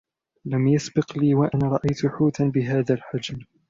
لم يسبق لي و أن رأيت حوتا بهذا الحجم.